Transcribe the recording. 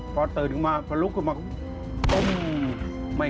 พอตื่นลุกออกมา